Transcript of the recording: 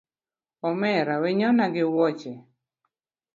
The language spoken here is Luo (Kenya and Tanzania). Omera wenyona gi wuoche